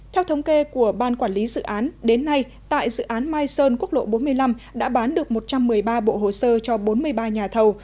theo thống kê của ban quản lý dự án đến nay tại dự án mai sơn quốc lộ bốn mươi năm đã bán được một trăm một mươi ba bộ hồ sơ cho bốn mươi ba nhà thầu